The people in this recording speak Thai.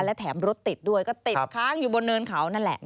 และแถมรถติดด้วยก็ติดค้างอยู่บนเนินเขานั่นแหละ